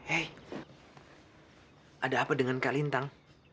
eh ada apa dengan kak lintang